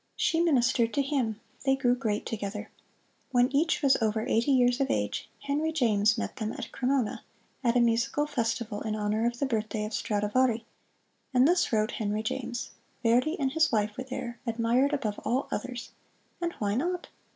She ministered to him. They grew great together. When each was over eighty years of age, Henry James met them at Cremona, at a musical festival in honor of the birthday of Stradivari. And thus wrote Henry James: "Verdi and his wife were there, admired above all others. And why not?